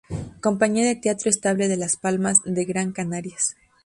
Compañía de Teatro estable de Las Palmas de Gran Canarias.